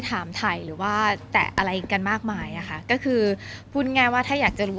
ถามถ่ายหรือว่าแตะอะไรกันมากมายอะค่ะก็คือพูดง่ายว่าถ้าอยากจะรู้